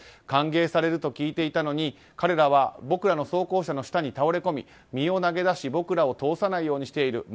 歓迎されると聞いているのに彼らは僕らの装甲車の下に倒れこみ、身を投げ出し僕らを通さないようにしている。